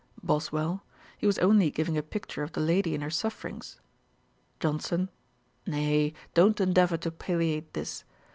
BOSWELL. 'He was only giving a picture of the lady in her sufferings.' JOHNSON. 'Nay, don't endeavour to palliate this.